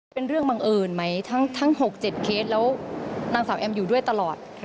เป็นเรื่องบังเอิญไหมทั้ง๖๗เคสแล้วนางสาวแอมอยู่ด้วยตลอด